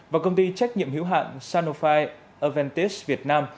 và công ty trách nhiệm hữu hạn sanofi aventis việt nam